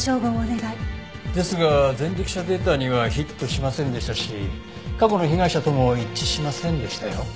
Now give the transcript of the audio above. ですが前歴者データにはヒットしませんでしたし過去の被害者とも一致しませんでしたよ。